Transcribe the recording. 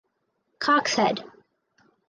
Coxhead.